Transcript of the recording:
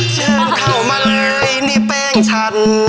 เชิญเข้ามาเลยนี่แป้งฉัน